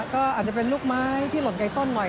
ก็อาจจะเป็นลูกไม้ที่หล่นไกลต้นหน่อย